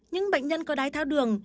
những bệnh nhân có đai tháo đường